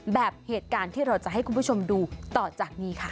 แบบเหตุการณ์ที่เราจะให้คุณผู้ชมดูต่อจากนี้ค่ะ